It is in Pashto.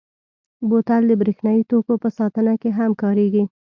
بوتل د برېښنايي توکو په ساتنه کې هم کارېږي.